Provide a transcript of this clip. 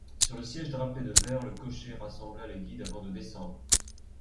Sur le siège drapé de vert, le cocher rassembla les guides avant de descendre.